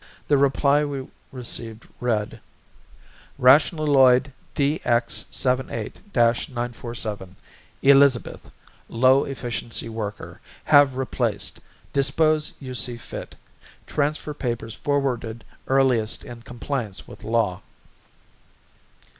The reply we received read: RATIONALOID DX78 947 "ELIZABETH" LOW EFFICIENCY WORKER. HAVE REPLACED. DISPOSE YOU SEE FIT. TRANSFER PAPERS FORWARDED EARLIEST IN COMPLIANCE WITH LAW.